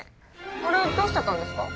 あれどうしちゃったんですか？